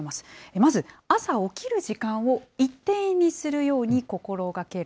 まず朝起きる時間を一定にするように心がける。